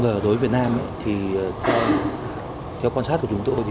năm g đối với việt nam theo quan sát của chúng tôi